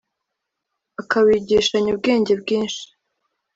akawigishanya ubwenge bwinshi,